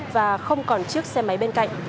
và không còn chiếc xe máy bên cạnh